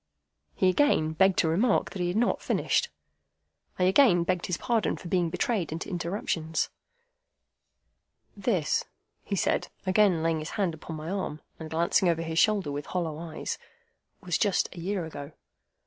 He again begged to remark that he had not finished. I again begged his pardon for being betrayed into interruptions. "This," he said, again laying his hand upon my arm, and glancing over his shoulder with hollow eyes, "was just a year ago.